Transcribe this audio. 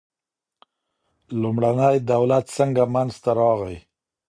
لومړنی دولت څنګه منځ ته راغی.